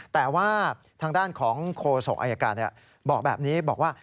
แต่ว่าทางด้านของโคศกอายการบอกแบบนี้บอกว่า